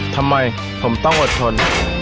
ทำไมผมต้องอดทน